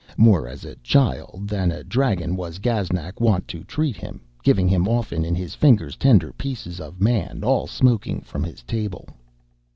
More as a child than a dragon was Gaznak wont to treat him, giving him often in his fingers tender pieces of man all smoking from his table.